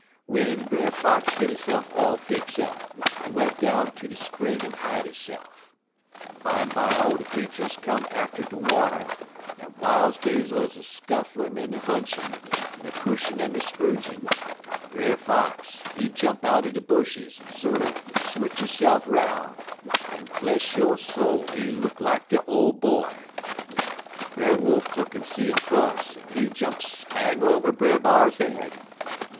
"W'en Brer Fox git hisse'f all fix up, he went down ter de spring en hide hisse'f. Bimeby all de creeturs come atter der water, en w'iles dey 'uz a scuffin' en a hunchin', en a pushin' en a scrougin', Brer Fox he jump out'n de bushes, en sorter switch hisse'f 'roun', en, bless yo' soul, he look lak de Ole Boy. "Brer Wolf tuck'n see 'im fus', en he jump spang over Brer B'ar head.